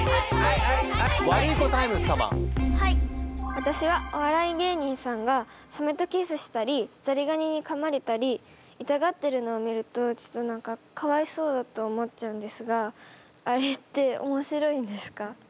私はお笑い芸人さんがサメとキスしたりザリガニにかまれたり痛がってるのを見るとちょっと何かかわいそうだと思っちゃうんですがあれっておもしろいんですか？